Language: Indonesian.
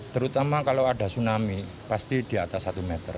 terutama kalau ada tsunami pasti di atas satu meter